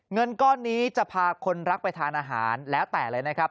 เงินก้อนนี้จะพาคนรักไปทานอาหารแล้วแต่เลยนะครับ